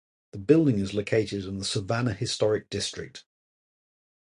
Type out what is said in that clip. The building is located in the Savannah Historic District.